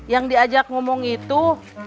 yang diajak ngomong itu